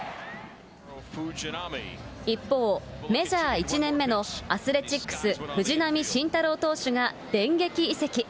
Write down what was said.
一方、メジャー１年目のアスレチックス、藤浪晋太郎投手が電撃移籍。